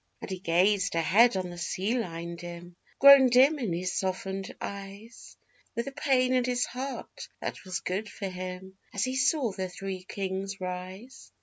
And he gazed ahead on the sea line dim grown dim in his softened eyes With a pain in his heart that was good for him as he saw the Three Kings rise.